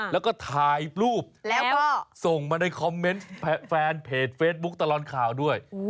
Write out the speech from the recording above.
แล้วก็ถ่ายรูปแล้วก็ส่งมาในคอมเมนต์แฟนเพจเฟซบุ๊คตลอดข่าวด้วย